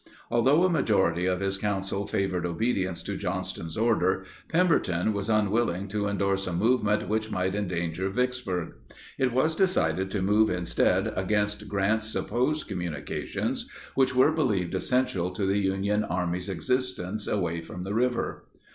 Although a majority of his council favored obedience to Johnston's order, Pemberton was unwilling to endorse a movement which might endanger Vicksburg. It was decided to move instead against Grant's supposed communications which were believed essential to the Union Army's existence away from the river.